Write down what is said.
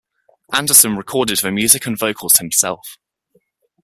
Anderson recorded the music and vocals himself.